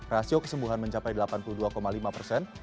rasio kesembuhan mencapai delapan puluh dua lima persen